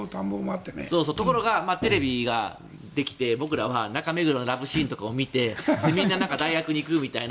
ところが、テレビができて僕らは中目黒のラブシーンとかを見てみんな大学に行くみたいな。